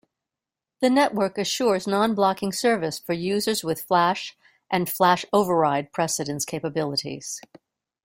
The network assures nonblocking service for users with "flash" and "flash override" precedence capabilities.